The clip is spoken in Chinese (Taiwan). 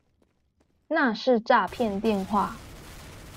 那是詐騙電話